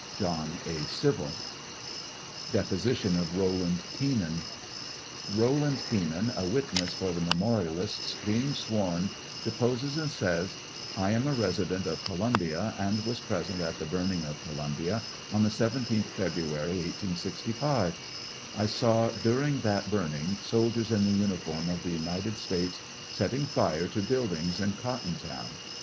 JOHN A. CIVIL. Deposition of Bowland Keenan, Rowland Keenan, a witness for the memorialists, being sworn, deposes and says : I am a resident of Columbia, and was present at the burning of Columbia, on the 17th February, 1865. I saw, during that burning, soldiers in the uniform of the United States setting fire to buildings in Cotton Town.